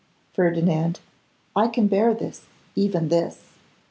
Ferdinand, I can bear this, even this.